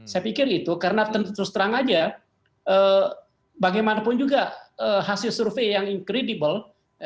saya pikir itu karena terus terang aja bagaimanapun juga hasil survei yang incredibel